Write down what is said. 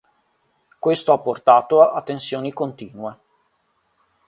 Questo ha portato a tensioni continue.